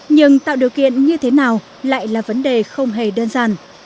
nhưng tạo điều kiện như thế nào lại là vấn đề không hề đơn giản